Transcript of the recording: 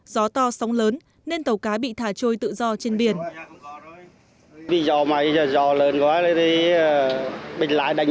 gió to sóng lớn nên tàu cá bị thả trôi tự do trên biển